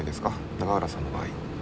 永浦さんの場合。